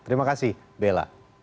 terima kasih bella